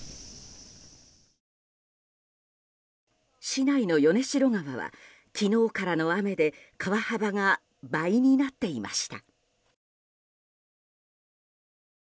市内の米代川は昨日からの雨で川幅が倍になっていました。